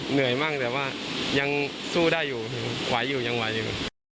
เหนื่อยมากแต่ว่ายังสู้ได้อยู่ไหวอยู่ยังไหวอยู่